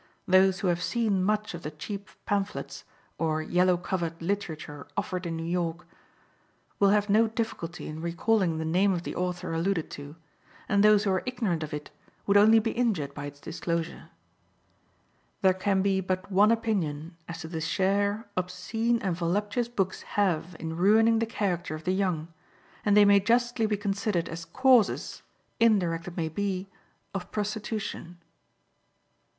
Those who have seen much of the cheap pamphlets, or "yellow covered" literature offered in New York, will have no difficulty in recalling the name of the author alluded to, and those who are ignorant of it would only be injured by its disclosure. There can be but one opinion as to the share obscene and voluptuous books have in ruining the character of the young, and they may justly be considered as causes, indirect it may be, of prostitution.